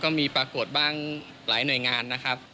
ปรากฏบ้างหลายหน่วยงานนะครับ